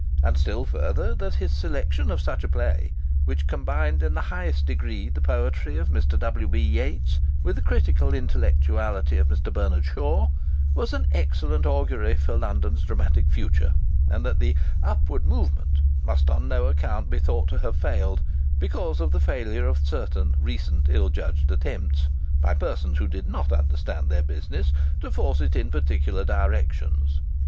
And still further that his selection of such a play, which combined in the highest degree the poetry of Mr. W.B. Yeats with the critical intellectuality of Mr. Bernard Shaw, was an excellent augury for London's dramatic future, and that the "upward movement" must on no account be thought to have failed because of the failure of certain recent ill judged attempts, by persons who did not understand their business, to force it in particular directions.